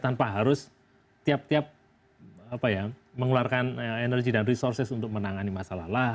tanpa harus tiap tiap mengeluarkan energi dan resources untuk menangani masalah